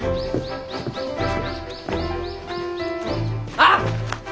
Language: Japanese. あっ！